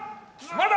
まだ！